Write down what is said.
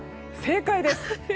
正解です。